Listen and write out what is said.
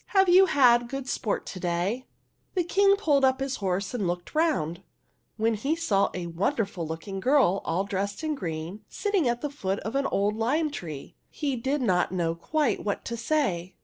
" Have you had good sport to day ?" The King pulled up his horse and looked round ; and when he saw a wonderful looking girl all dressed in green, sitting at the foot of an old lime tree, he did not know quite what to say.